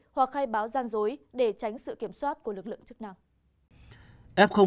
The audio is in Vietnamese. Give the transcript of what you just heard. hoặc khai báo gian dối để tránh sự kiểm soát của lực lượng trước nào